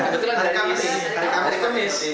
betul betul dari kemis